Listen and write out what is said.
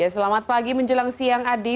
selamat pagi menjelang siang adi